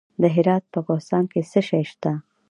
د هرات په کهسان کې څه شی شته؟